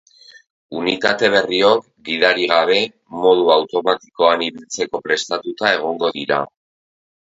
Unitate berriok, gidari gabe, modu automatikoan ibiltzeko prestatuta egongo dira.